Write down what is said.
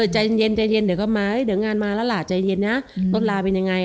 ใจเย็นเดียวก็มาเดี๋ยวงานมาละน้องลาเป็นยังไง